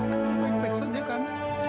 kamu baik baik saja kan